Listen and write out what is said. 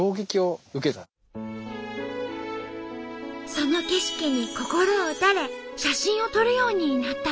その景色に心を打たれ写真を撮るようになったんだって。